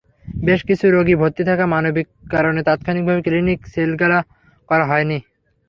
বেশ কিছু রোগী ভর্তি থাকায় মানবিক কারণে তাৎক্ষণিকভাবে ক্লিনিক সিলগালা করা হয়নি।